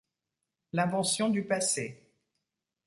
L'invention du passé.